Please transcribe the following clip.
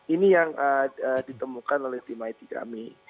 ini yang ditemukan oleh tim it kami